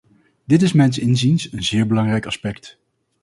Dit is mijns inziens een zeer belangrijk aspect.